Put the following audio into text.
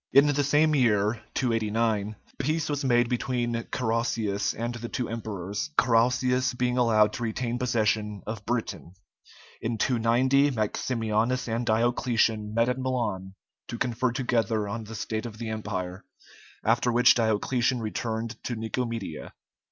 In the same year, 289, peace was made between Carausius and the two emperors, Carausius being allowed to retain possession of Britain. In 290 Maximianus and Diocletian met at Milan to confer together on the state of the Empire, after which Diocletian returned to Nicomedia.